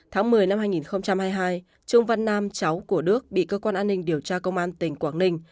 tháng một mươi năm hai nghìn hai mươi hai trương văn nam cháu của đức bị cơ quan an ninh điều tra công an tỉnh quảng ninh